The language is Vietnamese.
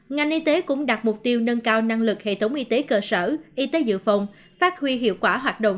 ngành y tế cũng đặt mục tiêu nâng cao năng lực hệ thống y tế cơ sở y tế dự phòng phát huy hiệu quả hoạt động